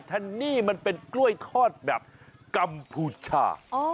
แนนนี่มันเป็นกล้วยทอดแบบกัมพูชา